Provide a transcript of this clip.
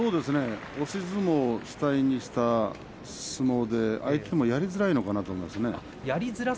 押し相撲を主体にした相撲で相手もやりづらいのかなと思います。